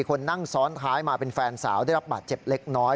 คนนั่งซ้อนท้ายมาเป็นแฟนสาวได้รับบาดเจ็บเล็กน้อย